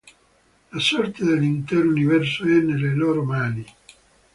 La sorte dell'intero universo è nelle loro mani.